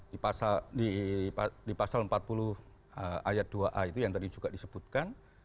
di pasal empat puluh ayat dua a itu yang tadi juga disebutkan